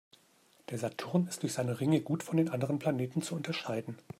Der Saturn ist durch seine Ringe gut von den anderen Planeten zu unterscheiden.